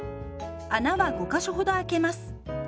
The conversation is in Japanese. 穴は５か所ほどあけます。